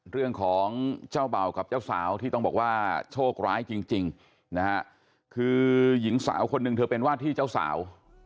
เรื่องของเจ้าเบ่ากับเจ้าสาวที่ต้องบอกว่าโชคร้ายจริงนะฮะคือหญิงสาวคนหนึ่งเธอเป็นว่าที่เจ้าสาว